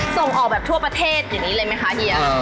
ส่งออกแบบทั่วประเทศอย่างนี้เลยไหมคะเฮีย